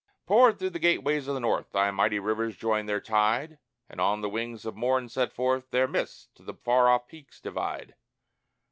Poured through the gateways of the North Thy mighty rivers join their tide, And, on the wings of morn sent forth, Their mists the far off peaks divide.